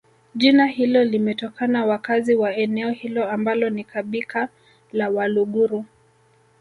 jina hilo limetokana wakazi wa eneo hilo ambalo ni kabika la waluguru